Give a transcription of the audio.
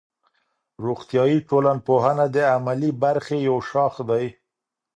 روغتیایی ټولنپوهنه د عملي برخې یو شاخ دی.